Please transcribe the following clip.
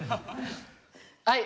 はい！